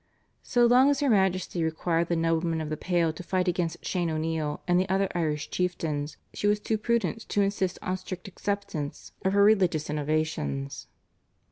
" So long as her Majesty required the noblemen of the Pale to fight against Shane O'Neill and the other Irish chieftains she was too prudent to insist on strict acceptance of her religious innovations.